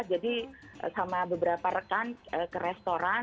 jadi sama beberapa rekan ke restoran